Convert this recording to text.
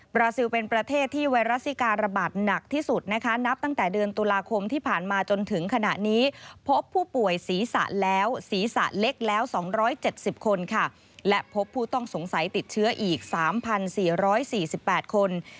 ราซิลเป็นประเทศที่ไวรัสซิการะบาดหนักที่สุดนะคะนับตั้งแต่เดือนตุลาคมที่ผ่านมาจนถึงขณะนี้พบผู้ป่วยศีรษะแล้วศีรษะเล็กแล้ว๒๗๐คนค่ะและพบผู้ต้องสงสัยติดเชื้ออีก๓๔๔๘คน